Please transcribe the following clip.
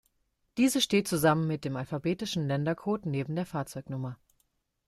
Diese steht zusammen mit dem alphabetischen Ländercode neben der Fahrzeugnummer.